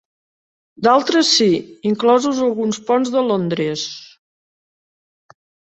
D'altres sí, inclosos alguns ponts de Londres.